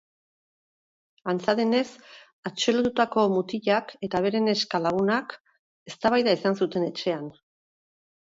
Antza denez, atxilotutako mutilak eta bere neska lagunak eztabaida izan zuten etxean.